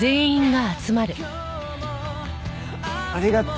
ありがとう。